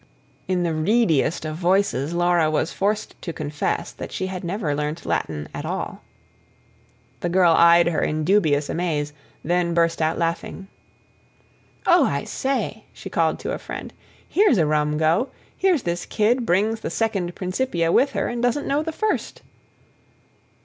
In the reediest of voices Laura was forced to confess that she had never learnt Latin at all. The girl eyed her in dubious amaze, then burst out laughing. "Oh, I say!" she called to a friend. "Here's a rum go. Here's this kid brings the Second Principia with her and doesn't know the First."